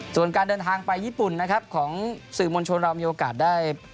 ส่วนการเดินทางไปญี่ปุ่นนะครับของสื่อมวลชนเรามีโอกาสได้